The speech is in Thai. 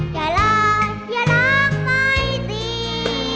อย่ารักอย่ารักไม่ดี